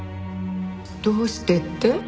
どうしてって？